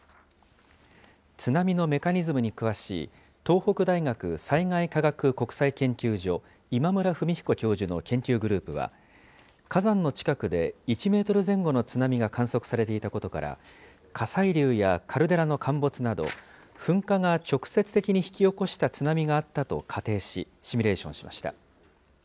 津波のメカニズムに詳しい、東北大学災害科学国際研究所、今村文彦教授の研究グループは、火山の近くで１メートル前後の津波が観測されていたことから、火砕流やカルデラの陥没など、噴火が直接的に引き起こした津波があったと仮定し、シミュレーションしました。